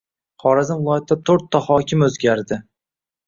Xorazm viloyatida to‘rtta hokim o‘zgardi